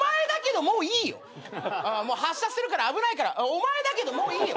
もう発車するから危ないからお前だけどもういいよ。